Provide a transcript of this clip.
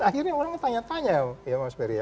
akhirnya orang tanya tanya ya mas ferry ya